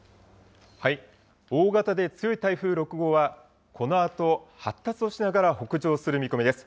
大型で強い台風６号は、このあと発達をしながら北上する見込みです。